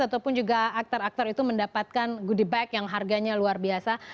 ataupun juga aktor aktor itu mendapatkan goodie bag yang harganya luar biasa